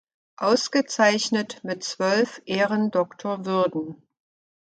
Ausgezeichnet mit zwölf Ehrendoktorwürden.